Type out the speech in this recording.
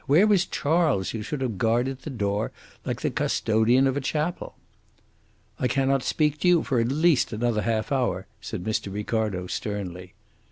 Where was Charles, who should have guarded the door like the custodian of a chapel? "I cannot speak to you for at least another half hour," said Mr. Ricardo, sternly.